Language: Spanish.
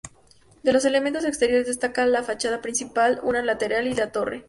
De los elementos exteriores destaca la fachada principal, una lateral y la torre.